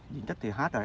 viện trích thì hết rồi